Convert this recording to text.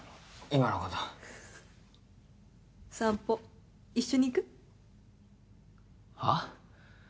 今のこと散歩一緒に行く？はっ？